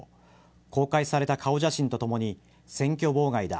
公開された顔写真とともに選挙妨害だ